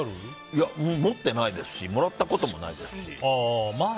いや、持ってないですしもらったこともないですし。